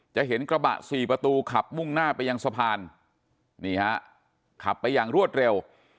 จะเห็นกระบะ๔ประตูขับมุ่งหน้าไปยังสะพานขับไปยังรวดเร็ว